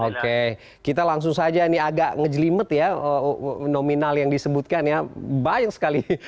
oke kita langsung saja ini agak ngejelimet ya nominal yang disebutkan ya banyak sekali